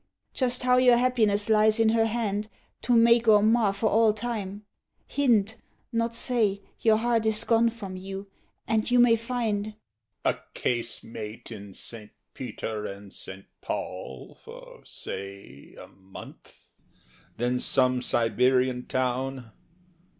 Just how your happiness lies in her hand To make or mar for all time; hint, not say, Your heart is gone from you, and you may find HE. A casemate in St. Peter and St. Paul For, say, a month; then some Siberian town.